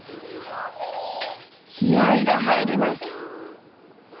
気合が入ります。